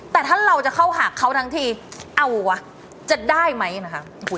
แต่ถ้าเราจะเข้าหาเขาทั้งทีเอาวะจะได้ไหมนะคะ